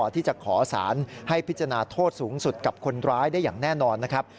ที่จะขอสารให้พิจารณาโทษสูงสุดกับคนร้ายได้อย่างแน่นอนนะครับ